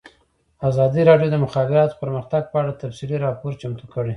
ازادي راډیو د د مخابراتو پرمختګ په اړه تفصیلي راپور چمتو کړی.